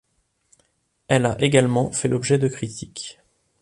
Elle a également fait l'objet de critiques.